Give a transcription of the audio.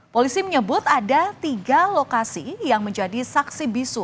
polisi menyebut ada tiga lokasi yang menjadi saksi bisu